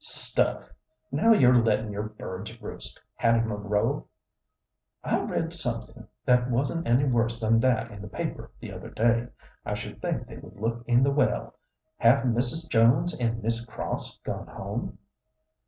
"Stuff! Now you're lettin' your birds roost, Hattie Monroe." "I read something that wasn't any worse than that in the paper the other day. I should think they would look in the well. Have Mrs. Jones and Miss Cross gone home?"